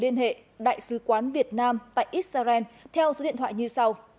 liên hệ ngay với đại sứ quán việt nam tại israel theo số điện thoại như sau